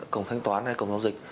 cổng thanh toán hay cổng giáo dịch